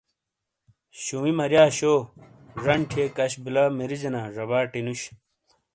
شووی مریا شو جن تھیک اش بیلہ مریجینا زباٹی نوش۔